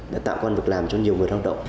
để tạo quan vực làm cho nhiều người đang động